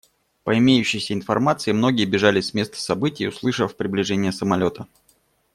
По имеющейся информации, многие бежали с места событий, услышав приближение самолета.